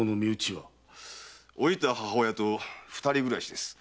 老いた母親と二人暮らしです。